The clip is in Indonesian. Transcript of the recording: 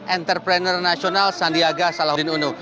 entrepreneur nasional sandiaga salahuddin uno